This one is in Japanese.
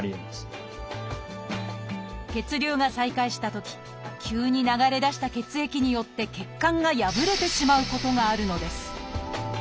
血流が再開したとき急に流れだした血液によって血管が破れてしまうことがあるのです